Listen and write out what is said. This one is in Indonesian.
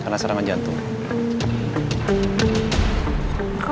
perkuh kalau aja tuh gue tau turot